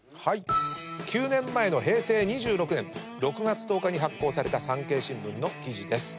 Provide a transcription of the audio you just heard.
９年前の平成２６年６月１０日に発行された産経新聞の記事です。